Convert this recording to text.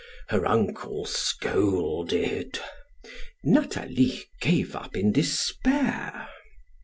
Her uncle scolded. Nathalie gave up in despair.